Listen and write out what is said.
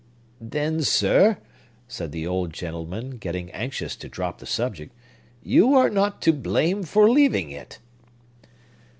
"Then, sir," said the old gentleman, getting anxious to drop the subject, "you are not to blame for leaving it."